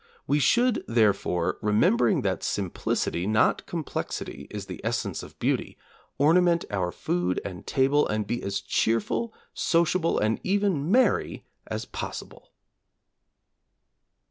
We should, therefore, remembering that simplicity, not complexity, is the essence of beauty, ornament our food and table, and be as cheerful, sociable, and even as merry as possible.